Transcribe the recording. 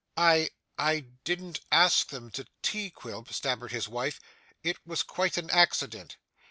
'I I didn't ask them to tea, Quilp,' stammered his wife. 'It's quite an accident.